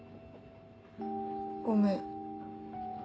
ごめん。